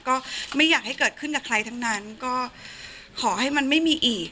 ก็ไม่อยากให้เกิดขึ้นกับใครทั้งนั้นก็ขอให้มันไม่มีอีก